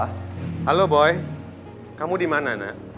halo boy kamu di mana nak